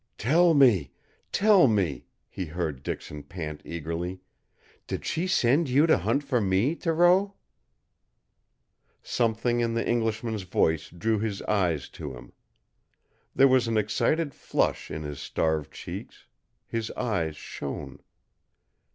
"Tell me tell me " he heard Dixon pant eagerly, "did she send you to hunt for me, Thoreau?" Something in the Englishman's voice drew his eyes to him. There was an excited flush in his starved cheeks; his eyes shone.